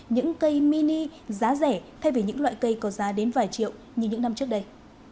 những cây mini giá rẻ thay vì những loại cây có giá đến vài triệu như những năm trước đây